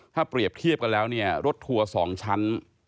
ถ้าเปรียบเทียบกันแล้วเนี่ยรถทัวร์๒ชั้น